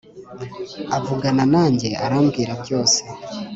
avugana nanjye arambwira byose